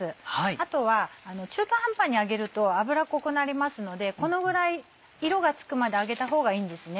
あとは中途半端に揚げると脂っこくなりますのでこのぐらい色がつくまで揚げた方がいいんですね。